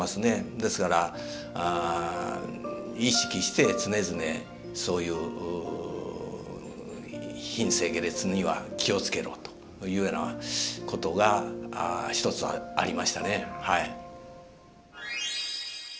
ですから意識して常々そういう品性下劣には気をつけろというようなことがひとつはありましたね。